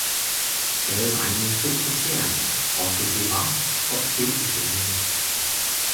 Gadedrengene stod på tæerne, råbte hurra og peb i fingrene